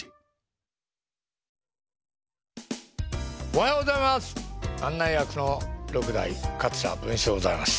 おはようございます！